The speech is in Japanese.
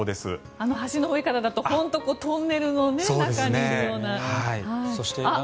あの橋の上からだと本当にトンネルの中にいるような。